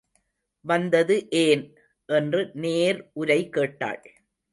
வந்தது ஏன்? என்று நேர் உரை கேட்டாள்.